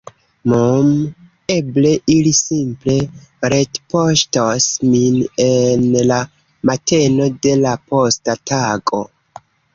"Mmm, eble ili simple retpoŝtos min en la mateno de la posta tago.